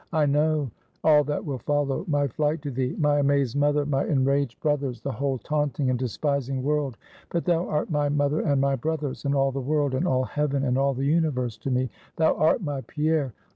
I know all that will follow my flight to thee; my amazed mother, my enraged brothers, the whole taunting and despising world. But thou art my mother and my brothers, and all the world, and all heaven, and all the universe to me thou art my Pierre.